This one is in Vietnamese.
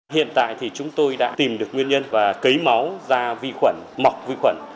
hiện tại thì chúng tôi đã tìm được nguyên nhân và cấy máu ra vi khuẩn mọc vi khuẩn